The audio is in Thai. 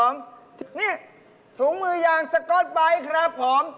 นี่ถุงมือยางสก๊อตไบท์ครับผม